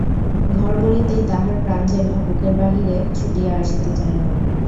ঘর বলিতেই তাহার প্রাণ যেন বুকের বাহিরে ছুটিয়া আসিতে চাহিল।